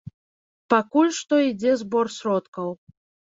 Пакуль што ідзе збор сродкаў.